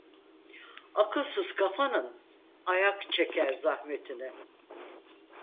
Akılsız kafanın, ayak çeker zahmetini…